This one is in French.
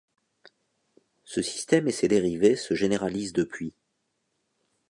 Ce système et ses dérivés se généralisent depuis.